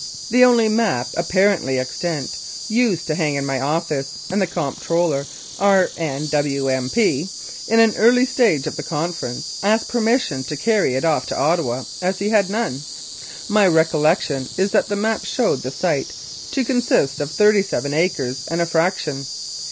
The only map apparently extant used to hang in my office, and the Comptroller, R.N.W.M.P., in an early stage of the conference, asked permission to carry it off to Ottawa, as he had none. My recollection is that the map showed the site to consist of thirty seven acres and a fraction.